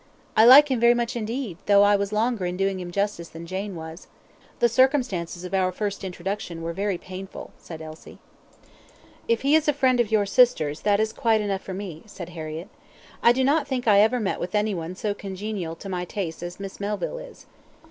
"I like him very much indeed, though I was longer in doing him justice than Jane was. The circumstances of our first introduction were very painful," said Elsie. "If he is a friend of your sister's, that is quite enough for me," said Harriett. "I do not think I ever met with any one so congenial to my tastes as Miss Melville is.